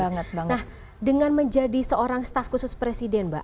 nah dengan menjadi seorang staff khusus presiden mbak